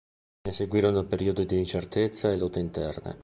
Ne seguirono periodi di incertezza e lotte interne.